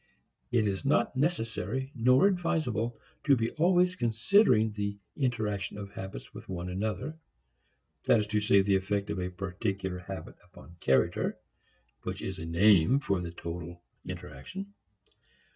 It is not necessary nor advisable to be always considering the interaction of habits with one another, that is to say the effect of a particular habit upon character which is a name for the total interaction.